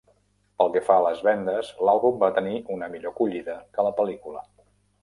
Pel que fa a les vendes, l'àlbum va tenir una millor acollida que la pel·lícula.